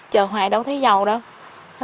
chờ hoài đâu thấy giàu đâu